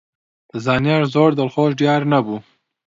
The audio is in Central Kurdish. زانیار زۆر دڵخۆش دیار نەبوو.